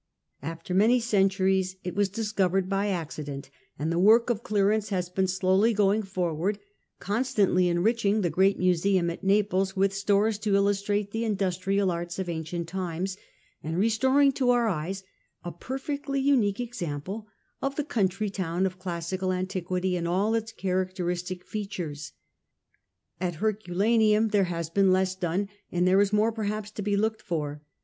After many centuries it was discovered by accident, and the work of clearance has been slowly going forward, constantly enriching the great Museum at Naples with stores to illustrate the industrial arts of ancient times, and restoring to our eyes a perfectly unique example of the country town of classical since^cof ^^* antiquity in all its characteristic features. At Herculaneum there has been less done, and there is more perhaps to be looked for.